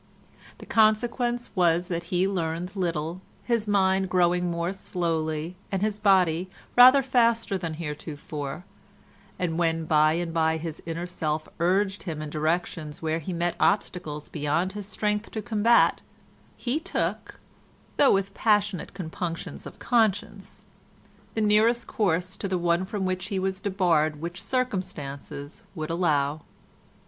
The consequence was that he learned little, his mind growing more slowly and his body rather faster than heretofore: and when by and by his inner self urged him in directions where he met obstacles beyond his strength to combat, he took—though with passionate compunctions of conscience—the nearest course to the one from which he was debarred which circumstances would allow.